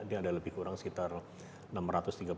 ini ada lebih kurang sekitar enam ratus tiga puluh